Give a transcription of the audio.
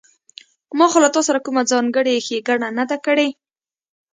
ما خو له تاسره کومه ځانګړې ښېګڼه نه ده کړې